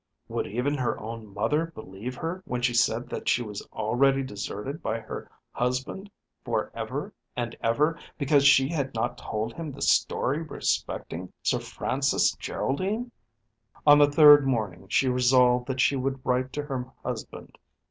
Would even her own mother believe her when she said that she was already deserted by her husband for ever and ever because she had not told him the story respecting Sir Francis Geraldine? On the third morning she resolved that she would write to her husband.